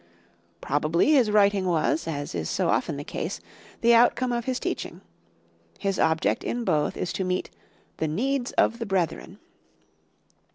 Probably his writing was, as is so often the case, the outcome of his teaching; his object in both is to meet "the needs of the brethren."